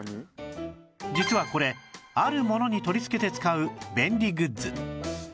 実はこれあるものに取りつけて使う便利グッズ